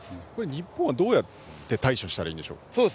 日本はどうやって対処したらいいんでしょう？